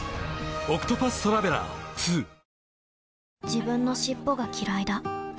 自分の尻尾がきらいだ